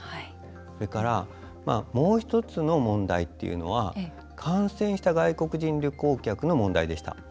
それからもう１つの問題っていうのは感染した外国人旅行客の問題でした。